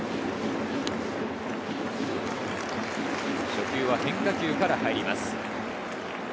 初球は変化球から入ります。